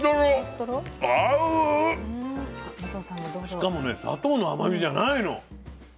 しかもね砂糖の甘みじゃないの。